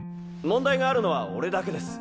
問題があるのは俺だけです。